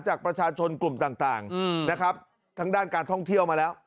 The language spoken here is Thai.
จากประชาชนกลุ่มต่างนะครับทั้งด้านการท่องเที่ยวมาแล้ว